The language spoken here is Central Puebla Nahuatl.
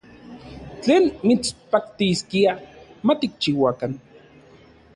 ¿Tlen mitspaktiskia matikchiuakan?